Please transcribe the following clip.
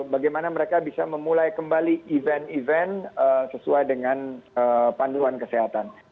bagaimana mereka bisa memulai kembali event event sesuai dengan panduan kesehatan